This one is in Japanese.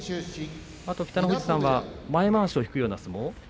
北の富士さんは前まわしを引くような相撲。